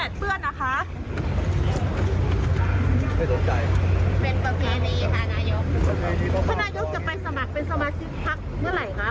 ท่านนายถึงจะไปสมรรถเป็นสมาชิกพักเมื่อไหร่คะ